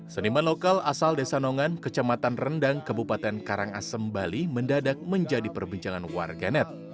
seniman lokal asal desa nongan kecamatan rendang kebupaten karangasem bali mendadak menjadi perbincangan warganet